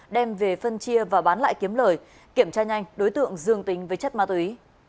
đem về phân chia và bán lại kiếm lời kiểm tra nhanh đối tượng dương tính với chất ma túy